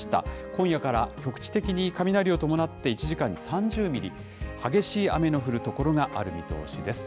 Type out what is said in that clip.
今夜から局地的に雷を伴って、１時間に３０ミリ、激しい雨の降る所がある見通しです。